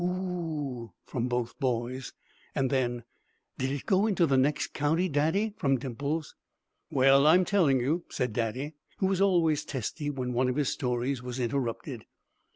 "Oo!" from both boys: and then, "Did it go into the next county, Daddy?" from Dimples. "Well, I'm telling you!" said Daddy, who was always testy when one of his stories was interrupted.